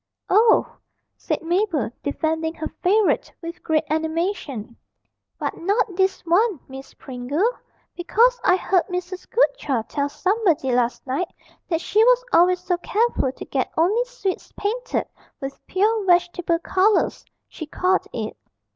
'Oh,' said Mabel, defending her favourite with great animation, 'but not this one, Miss Pringle. Because I heard Mrs. Goodchild tell somebody last night that she was always so careful to get only sweets painted with "pure vegetable colours," she called it.